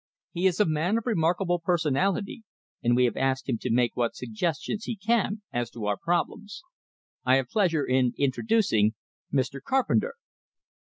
He is a man of remarkable personality, and we have asked him to make what suggestions he can as to our problems. I have pleasure in introducing Mr. Carpenter."